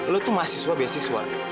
lo tuh mahasiswa beasiswa